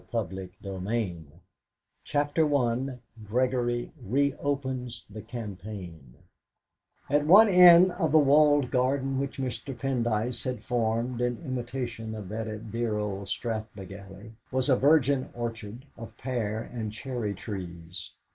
PART II CHAPTER I GREGORY REOPENS THE CAMPAIGN At one end of the walled garden which Mr. Pendyce had formed in imitation of that at dear old Strathbegally, was a virgin orchard of pear and cherry trees.